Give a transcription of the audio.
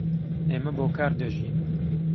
ئێمە بۆ کار دەژین.